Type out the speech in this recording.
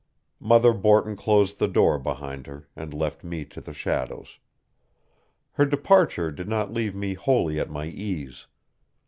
Mother Borton closed the door behind her, and left me to the shadows. Her departure did not leave me wholly at my ease.